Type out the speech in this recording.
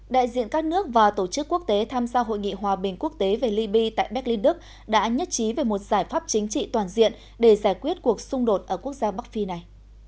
đại diện các nước và tổ chức quốc tế tham gia hội nghị hòa bình quốc tế về liby tại berlin đức đã nhất trí về một giải pháp chính trị toàn diện để giải quyết cuộc xung đột ở quốc gia bắc phi này